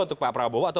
untuk pak prabowo